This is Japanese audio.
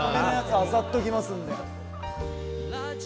漁っときますんで。